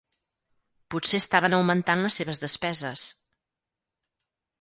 Potser estaven augmentant les seves despeses.